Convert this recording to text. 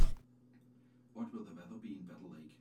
What will the weather be in Battle Lake?